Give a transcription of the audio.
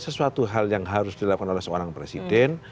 sesuatu hal yang harus dilakukan oleh seorang presiden